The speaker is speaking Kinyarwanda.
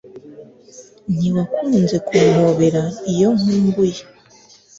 ntiwakunze kumpobera iyo nkumbuye